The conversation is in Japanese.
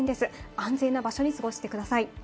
安全な場所に過ごしてください。